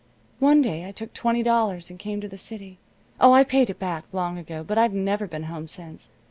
One day I took twenty dollars and came to the city. Oh, I paid it back long ago, but I've never been home since.